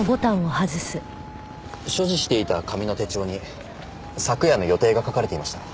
所持していた紙の手帳に昨夜の予定が書かれていました。